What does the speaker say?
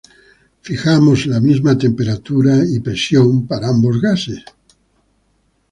Fijamos la misma temperatura y presión para ambos gases.